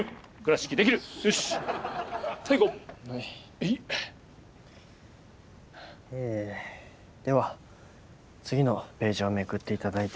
ええでは次のページをめくっていただいて。